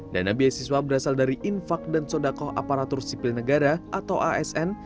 dana beasiswa berasal dari infak dan sodakoh aparatur sipil negara atau asn